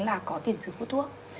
là có tiền sử hút thuốc